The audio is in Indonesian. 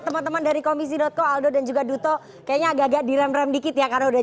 teman teman dari komisi co aldo dan juga duto kayaknya agak agak direm rem dikit ya karena udah